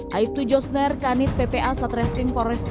hai tu josner kanit ppa satreskring polres dan sma